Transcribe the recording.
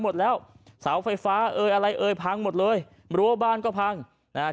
หมดแล้วเสาไฟฟ้าเอ่ยอะไรเอ่ยพังหมดเลยรั้วบ้านก็พังนะฮะ